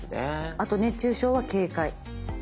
あと熱中症は警戒。